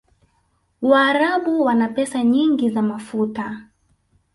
waarabu wana pesa nyingi za mafuta